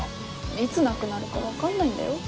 いつなくなるか分かんないんだよ？